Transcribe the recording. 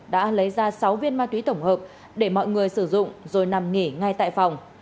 đã lấy ra sáu viên ma túy tổng hợp để mọi người sử dụng rồi nằm nghỉ ngay tại phòng